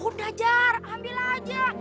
udah jar ambil aja